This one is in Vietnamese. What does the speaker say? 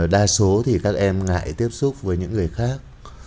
đa số thì các em ngại tiếp xúc với những người khác